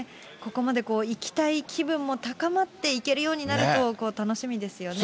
ここまで行きたい気分も高まっていけるようになると、楽しみですよね。